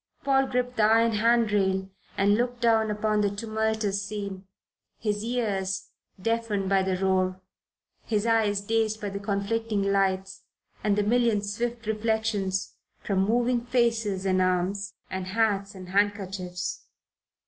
Paul gripped the iron hand rail and looked down upon the tumultuous scene, his ears deafened by the roar, his eyes dazed by the conflicting lights and the million swift reflections from moving faces and arms and hats and handkerchiefs.